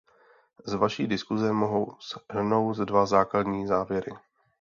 Z vaší diskuse mohu shrnout dva základní závěry.